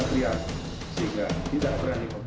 sehingga tidak berani memperbaiki